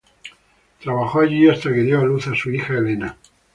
Trabajó allí hasta que dio a luz a su hija Elena.